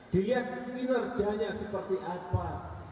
dilihat kinerjanya seperti apa